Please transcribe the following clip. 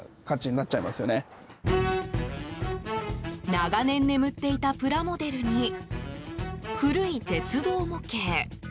長年眠っていたプラモデルに古い鉄道模型。